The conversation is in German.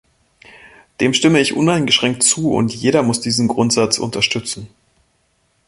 Dem stimme ich uneingeschränkt zu, und jeder muss diesen Grundsatz unterstützen.